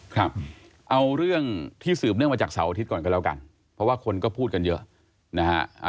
ครับเอาเรื่องที่สืบเนื่องมาจากเสาร์อาทิตย์ก่อนก็แล้วกันเพราะว่าคนก็พูดกันเยอะนะฮะ